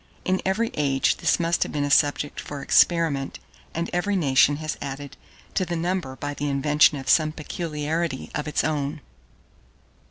In every age this must have been a subject for experiment, and every nation has added to the number by the invention of some peculiarity of its own.